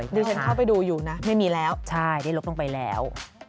ดิฉันเข้าไปดูอยู่นะไม่มีแล้วใช่ได้ลดลงไปแล้ว